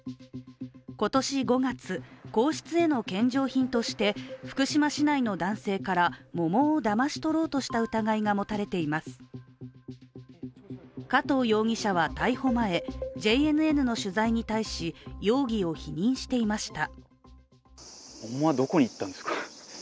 今年５月、皇室への献上品として福島市内の男性から桃をだまし取ろうとした疑いが持たれています加藤容疑者は逮捕前、ＪＮＮの取材に対し、容疑を否認していました。